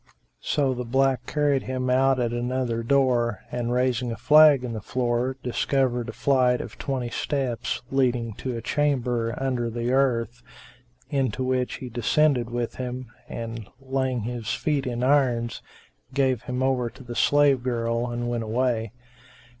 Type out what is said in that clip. '" So the black carried him out at another door and, raising a flag in the floor, discovered a flight of twenty steps leading to a chamber[FN#382] under the earth, into which he descended with him and, laying his feet in irons, gave him over to the slave girl and went away.